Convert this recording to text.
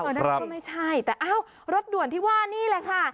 นั่นก็ไม่ใช่แต่อ้าวรถด่วนที่ว่านี่แหละค่ะ